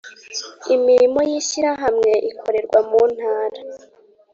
Imirimo y ishyirahamwe ikorerwa mu ntara